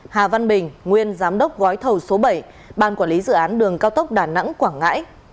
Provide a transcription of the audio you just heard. hà văn bình nguyên giám đốc gói thầu số bảy ban quản lý dự án đường cao tốc đà nẵng quảng ngãi